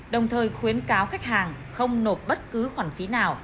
đồng thời khuyến cáo khách hàng không nộp bất cứ khoản phí nào